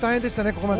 ここまで。